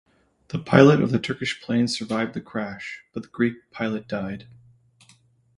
The pilot of the Turkish plane survived the crash, but the Greek pilot died.